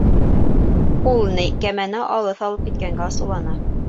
Ул, ни, кәмәне алыҫ алып киткәнгә асыулана.